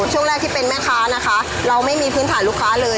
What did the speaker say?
ช่วงแรกที่เป็นแม่ค้านะคะเราไม่มีพื้นฐานลูกค้าเลย